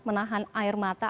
menahan air mata